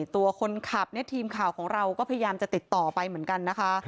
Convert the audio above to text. ตัวคนขับเนี่ยทีมข่าวของเราก็พยายามจะติดต่อไปเหมือนกันนะคะ